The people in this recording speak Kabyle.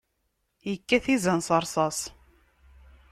Ikkat izan s rrṣas.